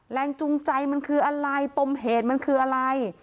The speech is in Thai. แรงจูงใจมันคืออะไรปมเหตุมันคืออะไร